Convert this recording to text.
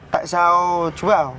tại sao chú bảo